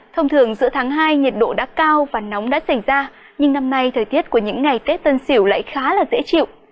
thông thường giữa tháng hai nhiệt độ đã cao và nóng đã xảy ra nhưng năm nay thời tiết của những ngày tết tân sỉu lại khá là dễ chịu